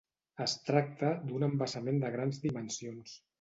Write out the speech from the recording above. Es tracta d'un embassament de grans dimensions.